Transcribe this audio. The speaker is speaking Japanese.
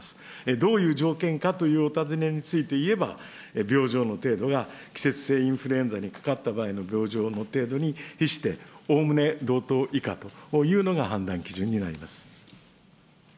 どういう条件かというお尋ねについて言えば、病状の程度が季節性インフルエンザにかかった場合の病状の程度に比しておおむね同等以下というのが判断基準になります。